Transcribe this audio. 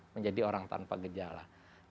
menjadi orang tanpa gejala